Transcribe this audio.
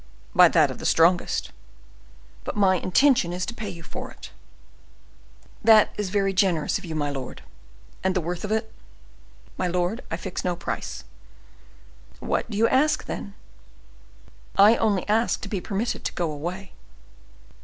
"By that of the strongest." "But my intention is to pay you for it." "That is very generous of you, my lord." "And the worth of it—" "My lord, I fix no price." "What do you ask, then?" "I only ask to be permitted to go away."